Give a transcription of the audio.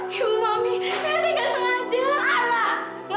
ya mami saya tidak sengaja